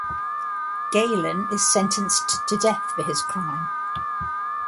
Galen is sentenced to death for his crime.